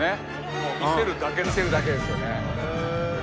もう見せるだけなの見せるだけですよね